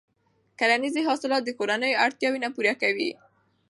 کرنیزې حاصلات د کورنیو اړتیاوې نه پوره کوي.